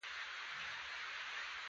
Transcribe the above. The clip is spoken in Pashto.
مجاهدین هغه هندیان ول چې تښتېدلي وه.